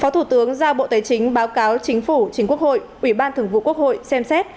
phó thủ tướng giao bộ tài chính báo cáo chính phủ chính quốc hội ủy ban thường vụ quốc hội xem xét